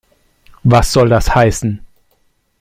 Was soll das heißen?